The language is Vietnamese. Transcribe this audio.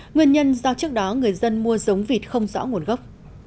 nguyên nhân do trước đó người dân mua giống vịt không rõ nguồn gốc